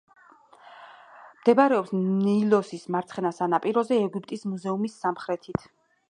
მდებარეობს ნილოსის მარცხენა სანაპიროზე, ეგვიპტის მუზეუმის სამხრეთით.